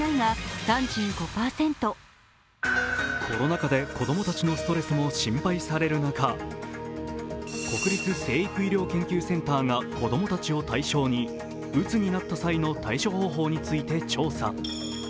コロナ禍で子供たちのストレスも心配される中、国立成育医療研究センターが子供たちを対象にうつになった際の対処方法について調査。